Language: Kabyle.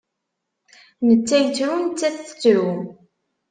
Netta yettru, nettat tettru.